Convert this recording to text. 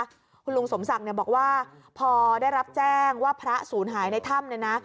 คุณลุงสมศักดิ์เนี่ยบอกว่าพอได้รับแจ้งว่าพระศูนย์หายในถ้ำเนี่ยนะ